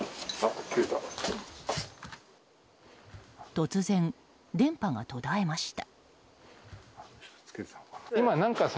突然、電波が途絶えました。